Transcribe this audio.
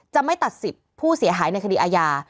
จะไม่ตัดสิทธิ์ผู้เสียหายในคดีอาญา